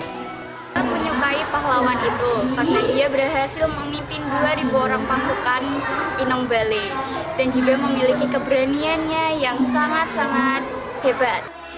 kita menyukai pahlawan itu karena ia berhasil memimpin dua orang pasukan pinong bali dan juga memiliki keberaniannya yang sangat sangat hebat